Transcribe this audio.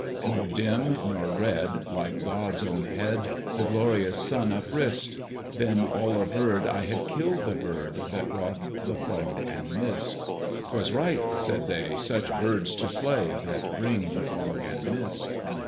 Nor dim nor red, like God's own head, The glorious Sun uprist: Then all averred, I had killed the bird That brought the fog and mist. 'Twas right, said they, such birds to slay, That bring the fog and mist.